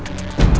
itu tanpa cinta